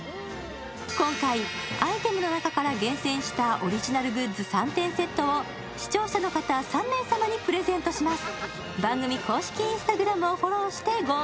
今回、アイテムの中から厳選したオリジナルグッズ３点セットを視聴者の方、３名様にプレゼントいたします。